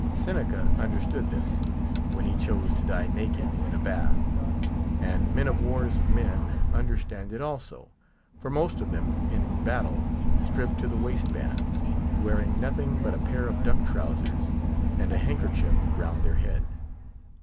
Seneca understood this, when he chose to die naked in a bath. And men of war's men understand it, also; for most of them, in battle, strip to the waist bands; wearing nothing but a pair of duck trowsers, and a handkerchief round their head.